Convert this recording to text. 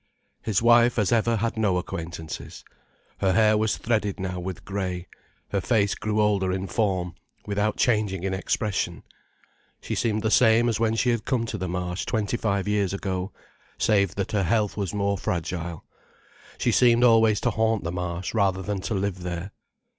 His wife, as ever, had no acquaintances. Her hair was threaded now with grey, her face grew older in form without changing in expression. She seemed the same as when she had come to the Marsh twenty five years ago, save that her health was more fragile. She seemed always to haunt the Marsh rather than to live there.